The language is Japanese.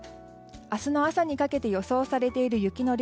明日の朝にかけて予想されている雪の量